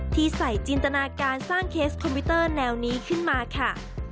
ที่ใส่จินตนาการสร้างเคสคอมพิวเตอร์แนวนี้ขึ้นมาค่ะ